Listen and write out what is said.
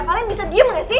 kalian bisa diem gak sih